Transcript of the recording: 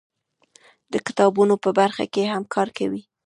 د کتابونو په برخه کې هم کار کوي.